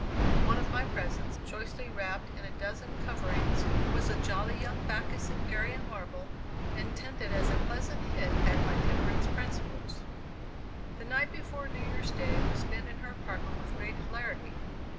One of my presents, choicely wrapped in a dozen coverings, was a jolly young Bacchus in Parian marble, intended as a pleasant hit at my temperance principles! The night before New Year's day was spent in her apartment with great hilarity.